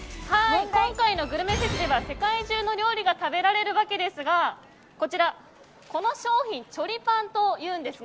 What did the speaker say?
今回のグルメフェスでは世界中の料理が食べられるわけですがこの商品、チョリパンといいます。